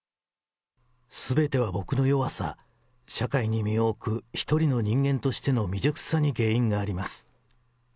すべては僕の弱さ、社会に身を置く一人の人間としての未熟さに原因があります。